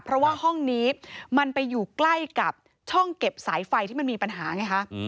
เพราะว่าห้องนี้มันไปอยู่ใกล้กับช่องเก็บสายไฟที่มันมีปัญหาไงคะ